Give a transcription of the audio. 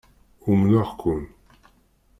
Umneɣ-ken.